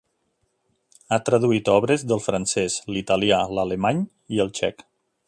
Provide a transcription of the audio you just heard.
Ha traduït obres del francès, l'italià, l'alemany i el txec.